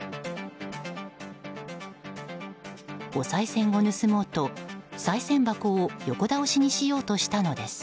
おさい銭を盗もうと、さい銭箱を横倒しにしようとしたのです。